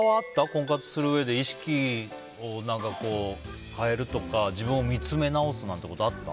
婚活するうえで意識を変えるとか自分を見つめなおすことあった？